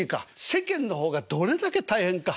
世間の方がどれだけ大変か。